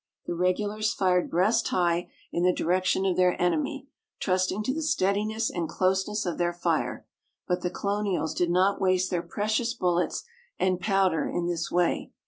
The regulars fired breast high in the direction of their enemy, trusting to the steadiness and closeness of their fire; but the colonials did not waste their precious bullets and powder in this way.